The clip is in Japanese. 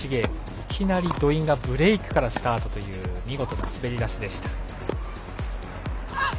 いきなり土居がブレークからスタートという見事な滑り出しでした。